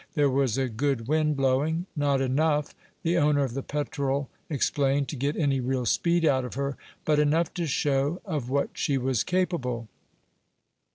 There was a good wind blowing, not enough, the owner of the Petrel explained, to get any real speed out of her, but enough to show of what she was capable.